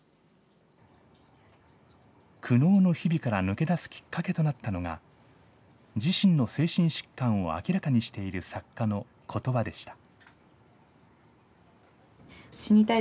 苦悩の日々から抜け出すきっかけとなったのが、自身の精神疾患を明らかにしている作家のことばでした。